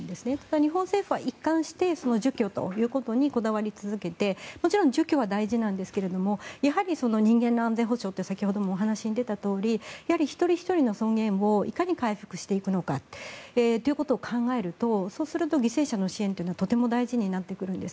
日本政府は一貫して除去ということにこだわり続けてもちろん除去は大事ですがやはり人間の安全保障って先ほどもお話に出たとおり一人ひとりの尊厳をいかに回復していくのかということを考えるとそうすると犠牲者の支援というのはとても大事になってくるんです。